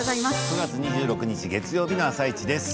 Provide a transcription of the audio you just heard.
９月２６日月曜日の「あさイチ」です。